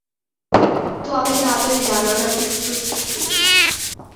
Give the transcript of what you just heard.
তো, আপনি তাড়াতাড়ি জানান, আপনি প্রস্তুত কি না।